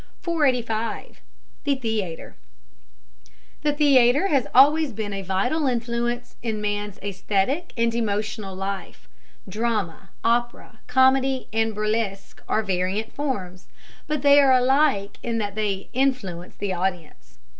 485. THE THEATER. The theatre has always been a vital influence in man's aesthetic and emotional life. Drama, opera, comedy, and burlesque are variant forms, but they are alike in that they influence the audience.